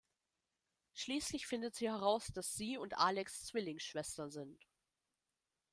Schließlich findet sie heraus, dass sie und Alex Zwillingsschwestern sind.